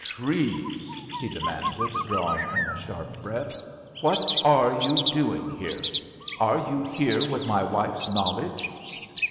Treves," he demanded, drawing in a sharp breath, "what are you doing here? Are you here with my wife's knowledge?"